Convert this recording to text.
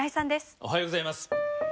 おはようございます。